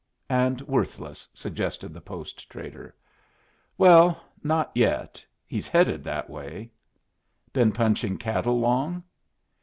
"And worthless," suggested the post trader. "Well not yet. He's headed that way." "Been punching cattle long?"